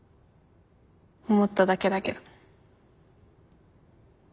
思っただけだけど。